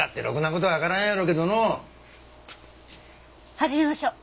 始めましょう。